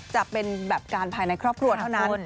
จะเป็นแบบการภายในครอบครัวเท่านั้น